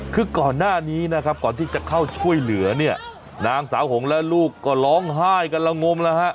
คือก่อนหน้านี้นะครับก่อนที่จะเข้าช่วยเหลือเนี่ยนางสาวหงและลูกก็ร้องไห้กันละงมแล้วฮะ